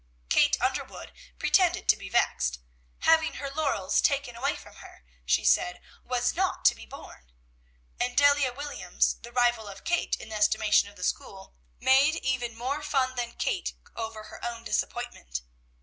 Kate Underwood pretended to be vexed, "having her laurels taken away from her," she said "was not to be borne;" and Delia Williams, the rival of Kate in the estimation of the school, made even more fun than Kate over her own disappointment.